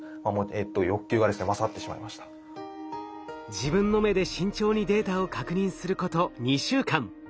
自分の目で慎重にデータを確認すること２週間。